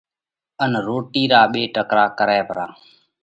ان روڻِي را ٻي ٽڪرا ڪرئہ پرا۔